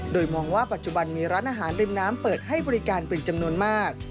โดยมองว่าปัจจุบันมีร้านอาหารริมน้ำเปิดให้บริการเป็นจำนวนมาก